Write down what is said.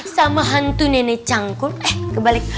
sama hantu nenek cangkul eh kebalik